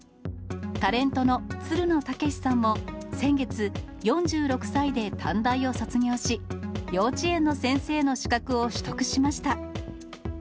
タレントのつるの剛士さんも、先月、４６歳で短大を卒業し、幼稚園の先生の資格を取得しました。